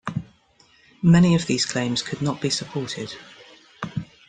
Many of these claims could not be supported.